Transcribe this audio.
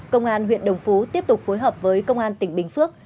công an huyện đồng phú tiếp tục phối hợp với công an tỉnh bình phước